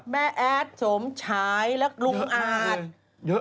แม่แอดโสมชายและลุงอาจ